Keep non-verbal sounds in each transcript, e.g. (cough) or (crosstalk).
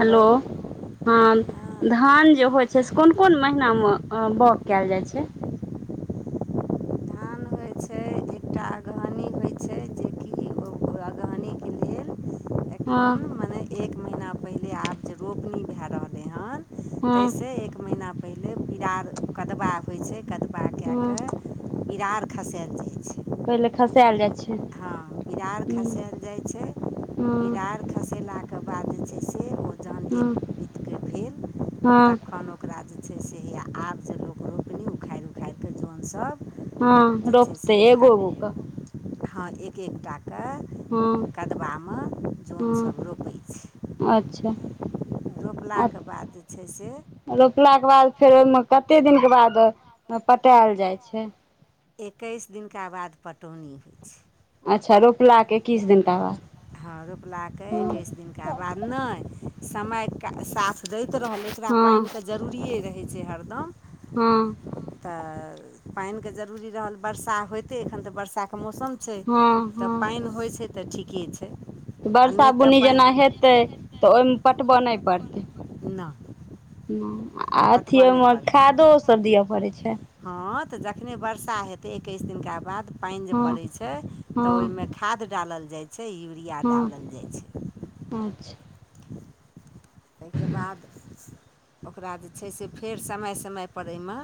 Hello हँ हँ धान जे होइत छै से कोन कोन महीनामे बाओग कयल जाइत छै हो छै एकटा अगहानी होय छै जेकि ओरा गहानीके लेल एखन हँ मने एक महिना पहिले आब जे रोपनी भए रहलै हन हँ ताहिसँ एक महिना पहिले बिरार कदबा होइ छै कदबा कए हँ कऽ ईरार खसएल जाइ छै पहिले खसायल जाइ छै हँ बिरार हूँ खसायल जाइ छै हँ बिरार खसेलाक तकर बाद जे छै से ओ जन हँ एकितके भेल हँ तखन ओ ओकरा जे छै से आब जे लोक रोपली ओ खाय तनस हँ रोपते एगो ऐगो के हँ एक हँ एकटाके कदवा में जनसभ हँ रोपैत छी अच्छा रोपलाके बाद जे छै से रोपलाके बाद फेर ओहि में कते दिनके बाद पटायल जाइ छै एकैस दिनका बाद पटौनी होइ छै अच्छा रोपला के एकिस दिन तक हँ रोपलाके किछु दिनका बाद नहि समयके साथ दैत रहलै एकरा हँ पानिके जरूरिए रहै छै हरदम हँ तऽ पानिके जरूरी रहल बर्षा होइते एखन तऽ वर्साके मौसम छै हँ तऽ हँ पानि होइ छै तऽ ठीके छै तऽ आओर बरसा नहि बुन्नी तऽ जेना हेतै पानि तऽ ओहिमे पटबय नहि पड़तै ना आ अथी ओहिमे पड़तै खादोसभ दिअ पड़ै छाई हँ तऽ जखने वर्षा हेतै एकैस दिनका बाद पानि जे हँ पड़ै छै छै तऽ हँ ओहिमे खाद डालल जाइत छै यूरिया हँ डालल जाइ छै अच्छा ओहिके बाद ओकरा जे छै से फेर समय समयपर एहिमे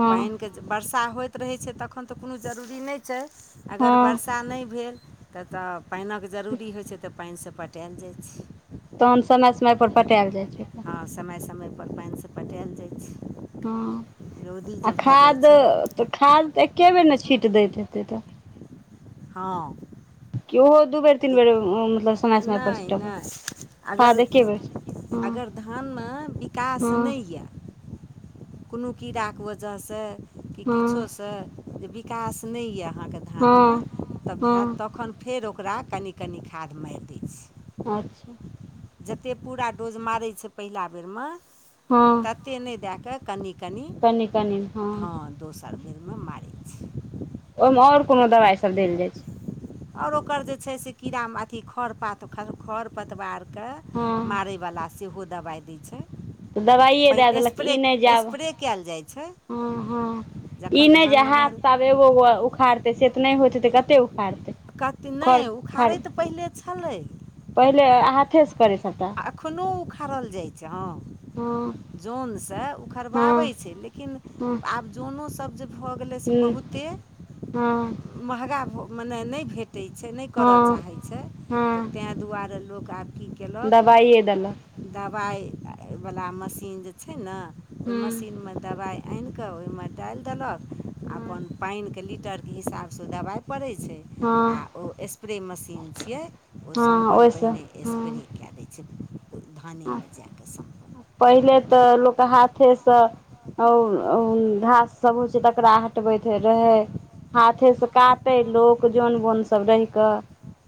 हँ पानिके वर्षा होइत रहै छै तखन तऽ कोनो जरूरी नहि छै अगर हँ वर्षा नहि भेल तऽ पानिक जरूरी होइत छै तऽ पानिसँ पटायल जाइत छै तहन समय समय पर पटायल जाय छै ओकरा हँ समय समयपर पानिसँ पटायल जाइ छै हँ रौदी आ जे भए जाइ खाद छै खाद तऽ एके बेेर ने छीट दैत हेतै तऽ हँ कि ओहो दू बेर तीन एक बेर मतलब समय समय पर नहि सिटई परते नहि अगर खाद एके बेर हँ अगर धानमे विकास हँ नहि यऽ कोनो कीड़ाके वजहसँ कि हँ किछोसँ जे विकास नहि यए अहाँकेँ धानमे हँ तऽ भ हँ तखन फेर ओकरा कनि कनि खाद मारि दै छीिय अच्छा जतेक पूरा डोज मारै छै पहिला बेरमे हँ तते नहि दए कऽ कनि कनि हँ दोसर बेरमे मारै छी ओहिमे आओर कोनो दवाइसभ देल जाइत छै आओर ओकर जे छै से कीड़ा मखोरा अथि खर पतवार के हँ मारैवला सेहो दबाइ दै छै तऽ दबाइए दए पहि देलक ई स्प्रे नहि जायब स्प्रे कयल जाइ छै हँ हँ ई जखन नहि धान जे हाथ नमहर से आब एगो गो उखाड़ते से तऽ नहि होते तऽ कते कहथि नहि उखाड़ै तऽ पहिले छलै आ पहिले हाथेसँ करै सबटा एखनो उखाड़ल जाइ छै हँ हँ जनसँ उखरबाबै हँ छै लेकिन हँ आब जनसँ भऽ गले जे हँ बहुते हँ महँग या ने भेटेत छै टै छै नहि करऽ हँ चाहैत छै तऽ हँ ताहि दुआरे लोक आब की केलक कइ अदल दबाइ वला मशीन जे छै ने ओहि हँ मशीनमे दबाइ आनिकऽ ओहिमे डालि देलक हँ अपन पानिके लीटरके हिसाबसँ ओ दबाइ पड़ै छै आ हँ ओ स्प्रे मशीन छियै ओ हँ सम्पन्न ओहिसँ पहिने स्प्रे हँ कए क से धानेमे जाकऽ सम पहिले तऽ लोक हाथेसँ आ घास सब होइ छै तकरा हटबैत रहै हाथे से काटे लोक जन बोन सब रहि कऽ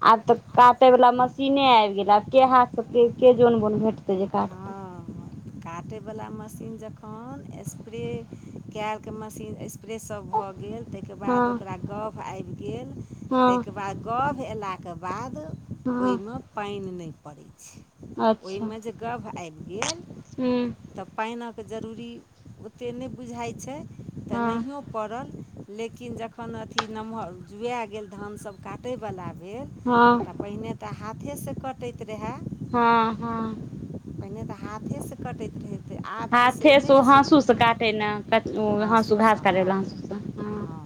आब तऽ काटे वालला मशीने आबि गेले आब के हाथ से के के जोन बोन भेटतै जे काटतै काटैवला मशीन जखन स्प्रे कलके मशीन स्प्रे सब भऽ गेल ताहिके बाद हँ ओकरा गभ आबि गेल हँ ताहिके बाद गभ अयलाके बाद हँ ओहिमे पानि नहि पड़ैत छै अच्छा ओहिमे जे गभ आबि गेल हूँ तऽ पानिक जरूरी ओतेक नहि बुझाइत छै तऽ हँ नहियो पड़ल लेकिन जखन अथी नमहर जुए गेल धान सब काटैवला भेल हँ तऽ पहिने तऽ हाथेसँ कटैत रहै हँ हँ पहिने तऽ हाथेसँ कटैत रहै तऽ आब तऽ हाथे से नहि छै हाँसु से काटे ने हाँसु घास हाँसूसँ काटे हँ वला हाँसू से हँ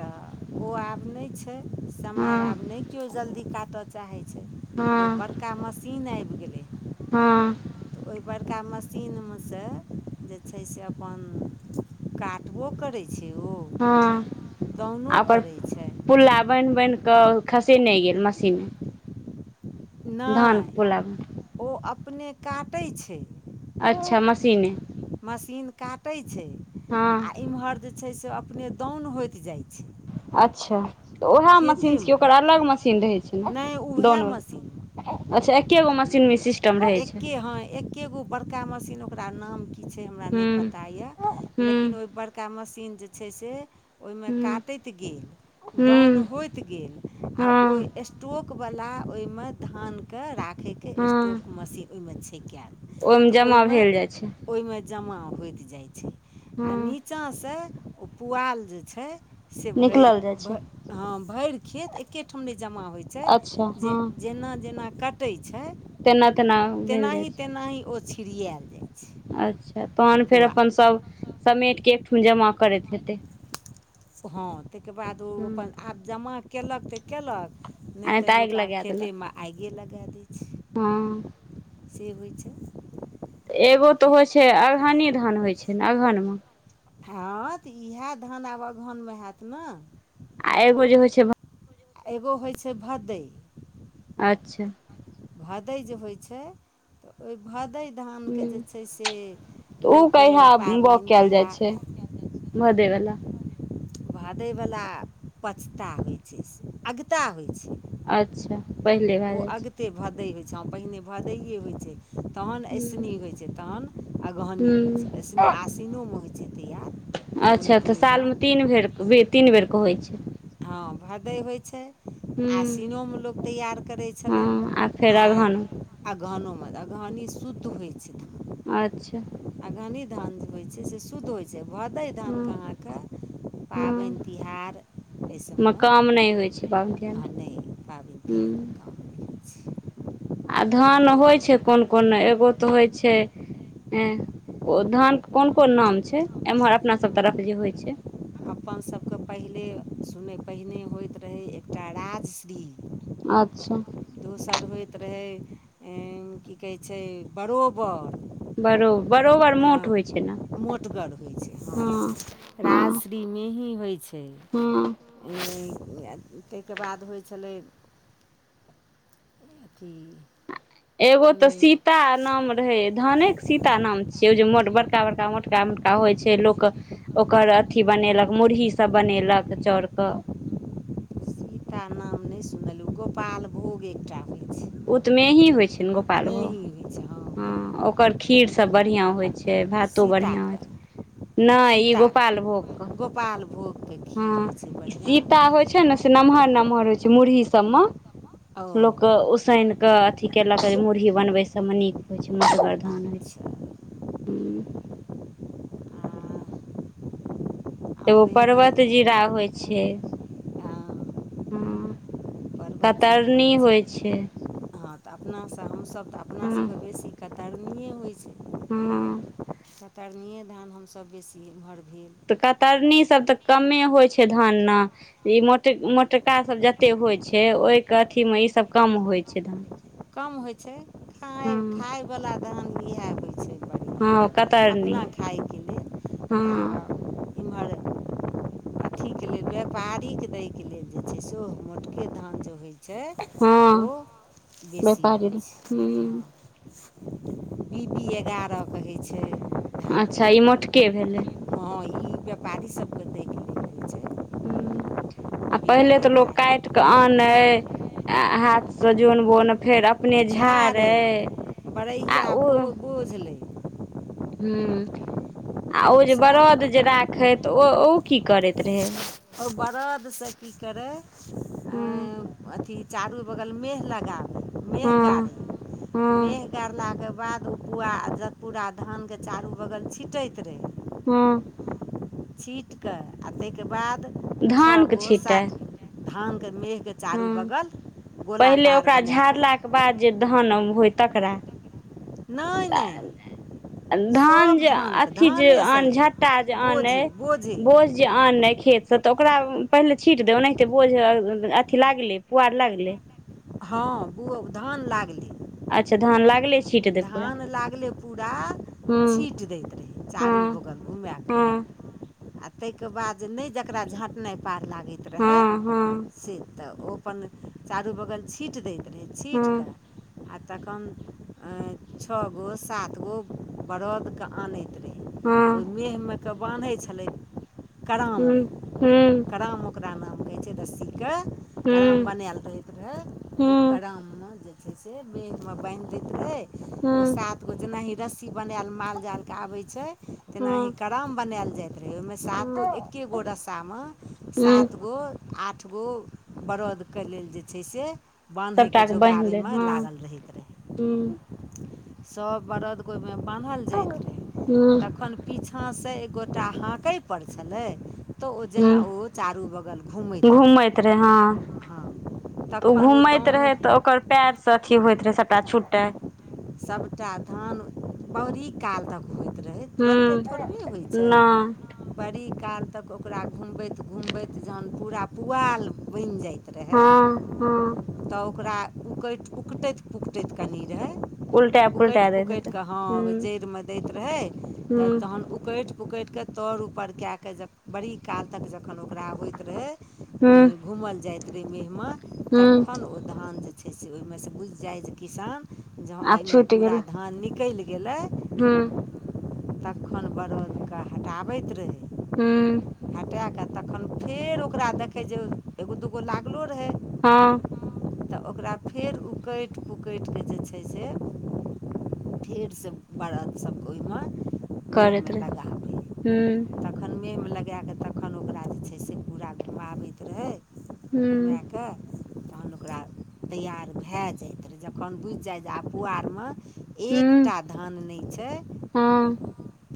तऽ ओ आब नहि छै समय हँ आब नहि केओ जल्दी काटय चाहैत छै तऽ ओ हँ बड़का मशीन आबि गेलै हँ तऽ ओहि बड़का मशीन में से जे छै से अपन काटबो करै (unintelligible) दउनो आ ओकर करै छै पुल्ला बान्हि बान्हि कऽ खसे नहि गेल मशीन नहि पुल्ला बनि। ओ अपने काटैत छै अच्छा मशीने मशीन काटै छै हँ आ इमहर जे छै से अपने दाउन होइत जाइ छै अच्छा तऽ उएह मशीनसँ कि खेतीमे ओकर अलग मशीन रहै छै ने नहि उएह दोनो मशीन अच्छा एके गो मशीन मशि एक्के हय एक्के गो बड़का मशीन ओकरा नाम की छै हमरा नहि हूँ पता यए हूँ लेकिन ओहि बड़का मशीन जे छै से ओहि में हूँ काटैत गेल हूँ दाउन होइत गेल आ ओ हँ स्टोकवला ओहिमे धानकेँ राख खयके हँ स्टोवके मशीन ओहि में छै कल तऽ जमा ओहिमे भेल जाइ छै ओहि में जमा होइत जाइ छै आ हँ नीचाँसँ ओ पुआल जे छै से भरि निकलल जाइ छै भ हँ भरि खेत एकेठाम नहि जमा होइत छै अच्छा जे हँ जेना जेना क कूटै छै तेना तेना भेल जाइ छै नहि ओ छिड़ियल अच्छा तहन फेर अपन सब समेट कऽ एकठम जमा करैत हेतै हँ तहिके बाद ओ हूँ अपन आब जमा कयलक तऽ कयलक आ नय नहि तऽ आगि लोक आब लगा देलक खेतेमे आगे लगा दैत छै हँ च होइ छै त एगो तऽ होइ छै अगहनी धान होइ छै ने अगहनमें हँ तऽ इएह धान आब अगहनमे हैत ने आ एगो जे होइ छै एगो होइ छै भदइ अच्छा भदइ जे होइ छै तऽ ओहि भदे धानके हूँ जे छै से तऽ ओ लोक कहिया पाबनि तिहार मधेवला भादैवला पछता होइ छै अगता होइ छै अच्छा पहिले ओ भए जाइ छै अगिते भदै होइ छ पहिने भदैे होइ छै तहन हूँ ऐसनी होइत छै तहन अगहनी होइत हूँ छै ऐस आशीन में होइ छै तैयार अच्छा तऽ सालमे तीन बेर तीन बेरके होइत छै हँ भदइ होइत छै हूँ आसीनोमे लोक तैयार करै छलै हँ फेर आ। अगहन अगहनोमे अगहन शुद्ध होइत छै। अच्छा। अगहनी धान जे होइ छै। से शुद्ध होइ छै भदै हूँ धानके अहाँके। हूँ पबेन तिहार मे एहिसभमे काम नहि होइ छै बाउग दियामे आ नहि तिहारमे हूँ। काम नहि होइ छै आ धान भादे होई छै। कोन कोन एगो तऽ होइ छै। हू और धान कोन कोन नाम छै। एम्हर अपना सभ तरफ जे होइ छै। अपन सभके पहिले सुनै पहिने होइत रहै एकटा राजश्री। अच्छा। दोसर होइत रहय की कहै छै। बरोबर। बरो बरोबर हँ मोट होइ छै ने। मोटगर हँ, हँ डीमेही होइ छै हँ ताहिके बाद होइ छलै। हू। एगो ते सीता नाम रहे धानके सीता नाम छिये ओ जे मोटकऽ बड़का बड़का मोट। छोटा मोटका होइ छै लोक ओकर अथी बनेलक मुरही सभ बनेलक चाउरके गीता नाम नहि सुनलहु गोपालभोग एकटा हो आउतमे ही होइ छै ने गोपाल भोग, होइ छै हँ, ओकर खीर सभ बढ़िआँ होइ छै। छै भातो बढ़िआ सीताके होइ छै। नहि ई गोपालभोग क पाल। हँ सीता होइ छै ने से नमहर नमहर होइ छै। मुरही सभमे ओ लोक उसैन। के अथी कहलियै जे मुरही बनबै सभमे नीक होइ छै, मटगर धान होइ छै। अच्छा आ एगो आओर इम्हर पर्वत जीरा होइ छै। हँ हँ, परवल जीरा कतरनी होइ छै। हँ तऽ अपनासँ हमसभ तऽ अपना हँ सभके बेसी कतरनी होइ छै। हँ। कतरनी धान हमस बेसी एमहर भेल तऽ कतरनी सभ तऽ कमे होइ छै। धान ने ई मोट मोटका सभ जते होइ छै। ओहिके अथी मे ईसभ कम होइ छै। धान कम होइ छै। खा हँ खायवला धान इएह होइ छै। बढ़िआँ हँ। कतरनी अपना खायके लेल हँ आ इम्हर अथीके लेल व्यापारीके दैके लेल जे छै। सेहो मोटके धान जे होइत छै। ओ हँ बेसी व्यापारी होइ छै हू हँ बी पी, एगारह कहै छै। धानके अच्छा, ई नाम मोटके भेलै। हँ ई व्यापारी सभके दै हूँ। आ बी पी पहिले तऽ लोकोग एगारह काटके आन हाथ से जन बोन फेर। अपने झादे झारै आ ओ बुझलै। हँ आ ओ जौन जे सब बरद जे राखैत ओ की करैत रहै? ओ बरदसँ की करै हूँ अथी। चारू बगल मेह लगाबै। मेह हँ गाड़ै हँ मेह गड़लाके बाद। ओ पुआ पुरा धानके चारू बगल छिटैत रहै। हँ। छिट कऽ आ ताहिके बाद। छओ धानके गो छिटै? सात गो धानके मेहके चारू बगल गोलाकार बना कऽ। तकर बाद जे धान होइ तकरा? नय नय धान जे अथी जे आन झट्टा सहित जे अन बोझे बोझे बोझ जे आन अइ खेतसँ तऽ ओकरा पहिले छीट दब ओनाहिते बोझ अथी लागलै पुआर लागलै हँ ब धान लागलै अच्छा धान लागले छीट दै पूरा धान लागलै पूरा हूँ छीटि दैत रहै चारू हँ बगल में घुमकेऽ हँ आ ताहिके बाद नहि जकरा झाँटनाइ पार लागै छै रहै हँ हँ से तऽ ओ अपन चारू बगल छीट दैत रहै छीड़ हँ कऽ आ तखन छओ गो सात गो बरदकेँ आनैत छथि रहै तऽ ओहि हँ मेह में क बान्है छलै हूँ हूँ करड़मे करड़मे ओकरा नाम कहै छै रस के ग्राम हूँ बनायल रहैत रहै ओहि हूँ क्राम में जे छै से बैडमे बान्हि दैत रहै ओ हूँ सात गो जेनाही रस्सी बनायल माल जाल के आबे छै तेना हँ ह हँ करड़म बनायल जाय त ओमे सातो एक्गो रस्सामे हूँ सात गो आठ गो बरदके लेल जे छै से बान्हयके सबटाके जोगाड़ बान्हि ओहि दै में हँ लागल रहैत रहै हूँ सभ बरदके ओहि में बान्हल जाइत रहै हूँ त एखन पीछाँसँ एक गोटा हाँकै पर छलै तऽ ओ हूँ जेना ओ चारू बगल घुमैत रहै ह हँ ओ तखन घुमैत रहे तऽ दाउन ओकर पैर से अथी होयइत रहे सबटा छुटय सबटा धान बरी काल तक होइत रहै तुरन्ते हूँ थोड़बे होइ नहि छै बड़ी काल तक ओकरा घुमबैत घुमबैत जहन पूरा पुआल बनि जाइत छै रहै हँ हँ तऽ ओकरा उकटि उकटैत पुकटैत कनि रहै उल्टा उकटि पुलटा दैत पुकटि हेतै कऽ हँ हूँ जड़ि में दैत रहै तऽ हूँ तहन पुकटि पुकटिकऽ तर उऊपर कए कऽ बड़ी काल तक जखन ओकरा होइत रहै हूँ घूमल जायइत रहे मेहमा हूँ तखन ओ धान जे छै से ओहि में से बुझि जाइ जे किसान जे हँ आब एहिमे पूरा धान निकलि गेलै हँ तखन बरदकेँ हटाबैत रहै हूँ पटा के तखन फेर ओकरा देखे जे एगो दूगो लागलो रहे हँ तऽ ओकरा फेर उकटि पुकटि कऽ जे छै से फेरसँ बर्द सभके ओहि में करैत रहै हू तखन मेहमे लगाकऽ तखन ओकरा जे छै से पूरा घुमाबैत रहै हूँ घुमाए कऽ ओकरा तैआर भए जाइत रहै जखन बुझि जाइ जे आ पआरमे हूँ एकटा धान नहि छै हँ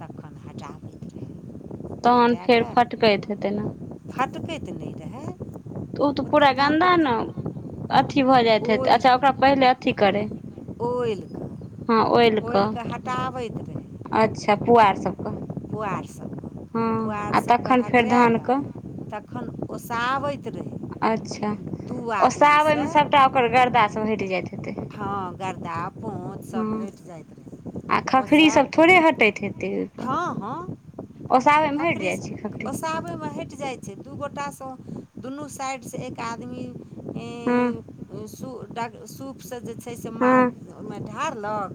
तखन हटाबैत रहै तहन फेर फटकैत हेतै हटाकऽ ने फटकैत नहि रहय तऽ ओ तऽ पूरा गन्दा ने अथी भऽ जाइत हइ तऽ अच्छा ओकरा पहिले अथी करै ओइल हँ ओ ओलि कऽ हटाबैत रहै अच्छा पुआर सभके पुआर सबके हँ पुआर आ सबके तखन फेर हटा धानके कऽ तखन ओसाबैत रहै अच्छा दू आदमीसँ ओसाबैमे सभटा ओकर गर्दासभ हटि जाइत हेतै हँ गरदा पोँचसभ हँ हटि जाइत आ रहै ओसै खखरी सब थोड़े के हँ हँ ओसाबैमे हटि खखरी जाइ छै सबटी ओसाबैमे हटि जाइ छै दू गोटासँ दुनू साइडसँ एक आदमी हूंम्म डग सूपसँ जे छै से मा हँ ओहिमे ढारलक